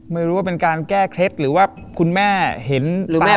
ไม่รู้ว่าเป็นการแก้เคล็ดหรือว่าคุณแม่เห็นหรือไม่